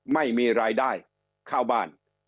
ไม่มีรายได้เข้าบ้าน